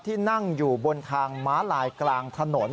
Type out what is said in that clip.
ที่นั่งอยู่บนทางม้าลายกลางถนน